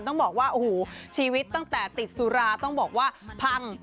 ต้องบอกว่าโอ้โหชีวิตตั้งแต่ติดสุราต้องบอกว่าพัง